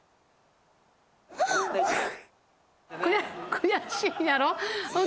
悔しいんやろ？